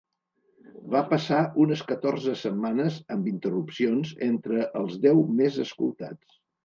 Va passar unes catorze setmanes, amb interrupcions, entre els deu més escoltats.